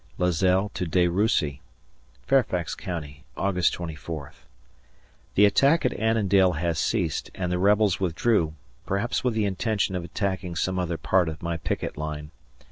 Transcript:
[Lazelle to De Russy] Fairfax County, August 24th. The attack at Annandale has ceased, and the rebels withdrew, perhaps with the intention of attacking some other part of my picket line.